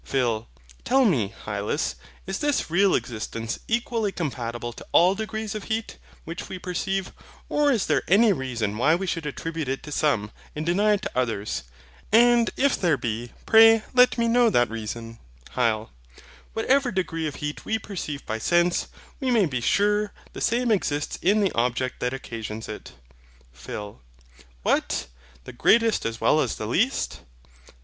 PHIL. Tell me, Hylas, is this real existence equally compatible to all degrees of heat, which we perceive; or is there any reason why we should attribute it to some, and deny it to others? And if there be, pray let me know that reason. HYL. Whatever degree of heat we perceive by sense, we may be sure the same exists in the object that occasions it. PHIL. What! the greatest as well as the least?